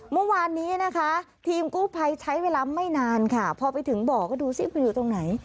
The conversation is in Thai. เมื่อวานนี้นะคะทีมกู้ภัยใช้เวลาไม่นานค่ะพอไปถึงบ่อก็ดูสิมันอยู่ตรงไหน